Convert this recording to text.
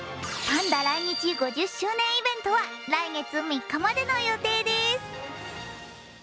パンダ来日５０周年イベントは来月３日までの予定です。